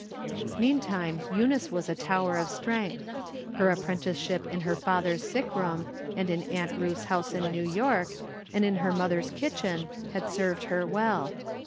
Meantime, Eunice was a tower of strength. Her apprenticeship in her father's sick room, and in Aunt Ruth's house in New York, and in her mother's kitchen, had served her well.